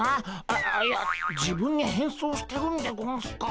あいや自分に変装してるんでゴンスか？